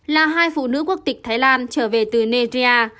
là hai phụ nữ quốc tịch thái lan trở về từ negia